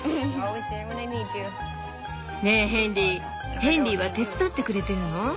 ねえヘンリーヘンリーは手伝ってくれてるの？